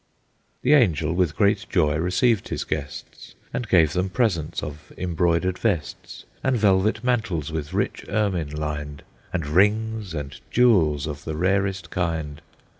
The Angel with great joy received his guests, And gave them presents of embroidered vests, And velvet mantles with rich ermine lined, And rings and jewels of the rarest kind.